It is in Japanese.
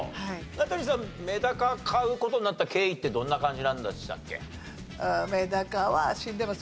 名取さんメダカ飼う事になった経緯ってどんな感じなんでしたっけ？